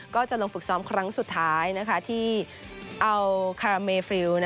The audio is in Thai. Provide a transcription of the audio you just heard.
ก็จะลงฝึกซ้อมครั้งสุดท้ายที่อัลคาเมฟริว